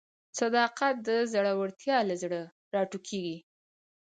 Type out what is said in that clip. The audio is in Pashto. صداقت د زړورتیا له زړه راټوکېږي.